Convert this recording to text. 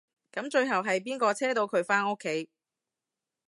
噉最後係邊個車到佢返屋企？